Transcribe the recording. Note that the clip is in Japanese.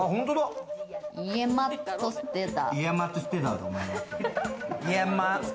イエマッドステダ。